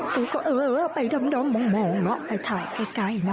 กูก็เออไปมองเนอะไปถ่ายใกล้เนอะ